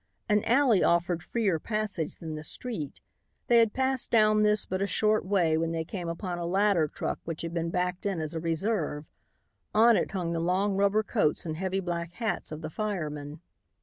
An alley offered freer passage than the street. They had passed down this but a short way when they came upon a ladder truck which had been backed in as a reserve. On it hung the long rubber coats and heavy black hats of the firemen.